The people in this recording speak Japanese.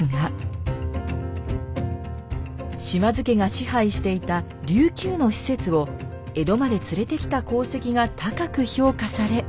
島津家が支配していた琉球の使節を江戸まで連れてきた功績が高く評価され。